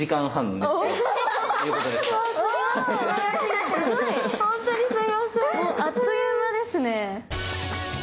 もうあっという間ですね。